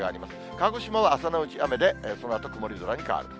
鹿児島は朝のうち雨で、そのあとまた曇り空に変わると。